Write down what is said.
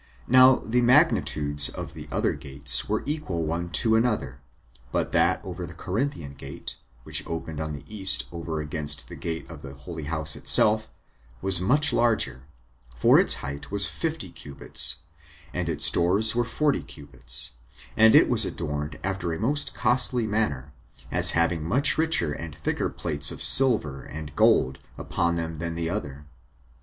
Now the magnitudes of the other gates were equal one to another; but that over the Corinthian gate, which opened on the east over against the gate of the holy house itself, was much larger; for its height was fifty cubits; and its doors were forty cubits; and it was adorned after a most costly manner, as having much richer and thicker plates of silver and gold upon them than the other.